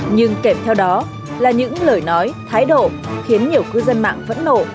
nhưng kẹp theo đó là những lời nói thái độ khiến nhiều cư dân mạng vẫn nổ